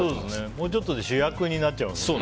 もうちょっとで主役になっちゃいますね。